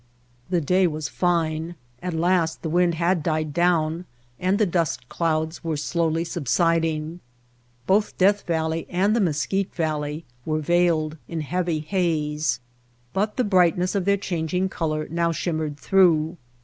The day was fine. At last the wind had died down and the dust clouds were slowly subsiding. Both Death Valley and the Mesquite Valley were veiled in heavy haze, but the brightness of their changing color now shimmered through.